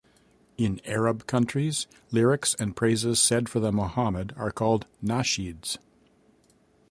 In Arab countries, lyrics and praises said for the Muhammad are called Nasheeds.